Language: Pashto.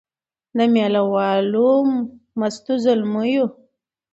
د مېله والو مستو زلمیو